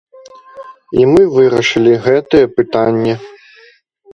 І мы вырашылі гэтае пытанне.